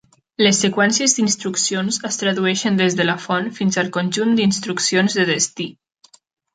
Les seqüències d'instruccions es tradueixen des de la "font" fins al conjunt d'instruccions de "destí".